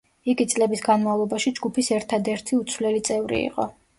იგი წლების განმავლობაში ჯგუფის ერთადერთი უცვლელი წევრი იყო.